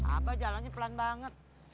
apa jalannya pelan banget